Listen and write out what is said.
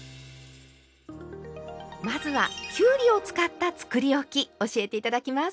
まずはきゅうりを使ったつくりおき教えて頂きます。